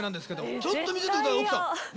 ちょっと見せてください、奥さん、ね？